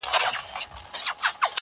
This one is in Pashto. افسانې د برېتورو، ږيرورو٫